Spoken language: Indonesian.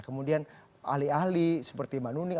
kemudian ahli ahli seperti manu nih